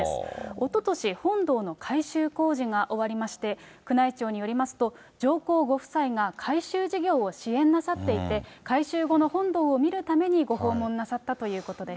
おととし、本堂の改修工事が終わりまして、宮内庁によりますと、上皇ご夫妻が改修事業を支援なさっていて、改修後の本堂を見るためにご訪問なさったということです。